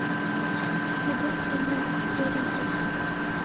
Себен теймәҫ сер итер.